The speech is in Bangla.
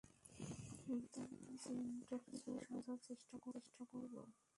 তাই আজ এনট্রপিকে সহজভাবে বোঝার চেষ্টা করব।